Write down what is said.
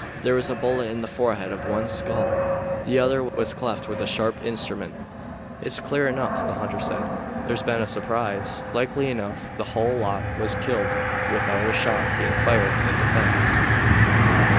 There was a bullet in the forehead of one skull; the other was cleft with a sharp instrument. "It's clear enough," the hunter said, "there's been a surprise. Likely enough the hull lot was killed without a shot being fired in defense."